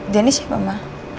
dennis siapa ma